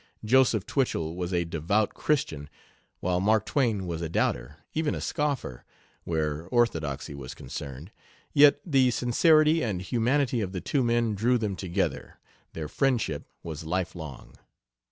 Joseph Twichell was a devout Christian, while Mark Twain was a doubter, even a scoffer, where orthodoxy was concerned, yet the sincerity and humanity of the two men drew them together; their friendship was lifelong.